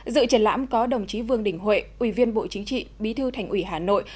dự triển lãm có đồng chí vương đình huệ ủy viên bộ chính trị bí thư thành ủy hà nội